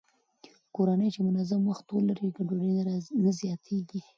کورنۍ چې منظم وخت ولري، ګډوډي نه زياتېږي.